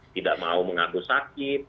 tidak mau mengandung sakit